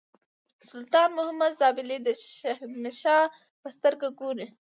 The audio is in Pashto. سلطان محمود زابلي د شهنشاه په سترګه ګوري.